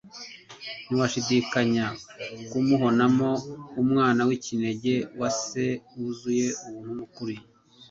ntiwashidikanya kumuhonamo « Umwana w'ikinege wa Se, wuzuye ubuntu n'ukuri.' »